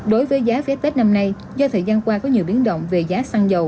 đối với giá vé tết năm nay do thời gian qua có nhiều biến động về giá xăng dầu